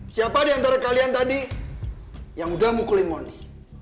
siapa di antara kalian tadi yang udah mukulin moni